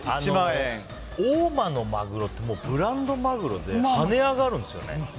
大間のマグロってブランドマグロで跳ね上がるんですよね。